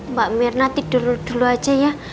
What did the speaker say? mbak mirna tidur dulu aja ya